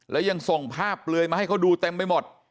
แล้วยังส่งภาพเปลือยมาให้เขาดูเต็มไปหมด